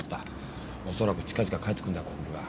恐らく近々帰ってくるんだ国府が。